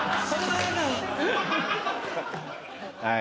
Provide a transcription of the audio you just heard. はい。